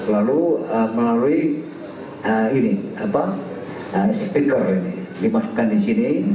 lalu melalui speaker dimasukkan di sini